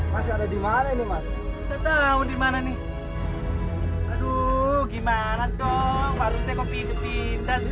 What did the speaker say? masih ada dimana ini mas